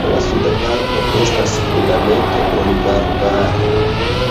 La suda parto estas fundamente olivarbare.